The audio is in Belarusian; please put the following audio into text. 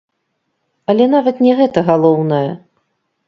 Але нават не гэта галоўнае.